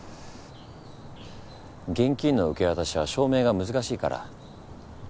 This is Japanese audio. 現金の受け渡しは証明が難しいから。